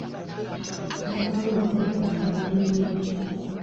Taata we musajja mukadde nnyo.